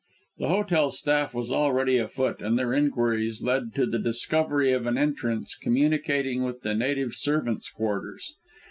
The hotel staff was already afoot, and their inquiries led to the discovery of an entrance communicating with the native servants' quarters.